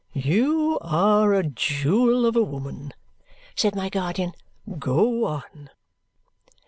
"You are a jewel of a woman," said my guardian. "Go on!"